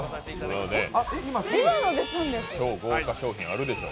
超豪華賞品、あるでしょう。